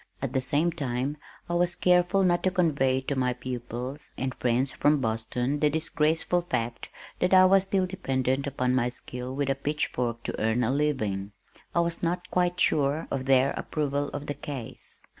At the same time, I was careful not to convey to my pupils and friends from Boston the disgraceful fact that I was still dependent upon my skill with a pitch fork to earn a living. I was not quite sure of their approval of the case.